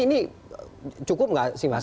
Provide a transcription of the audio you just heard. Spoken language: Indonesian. ini cukup nggak sih mas